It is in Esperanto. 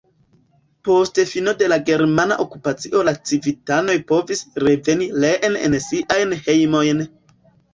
Post fino de la germana okupacio la civitanoj povis reveni reen en siajn hejmojn.